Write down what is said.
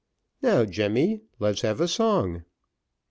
"Now, Jemmy, let's have a song."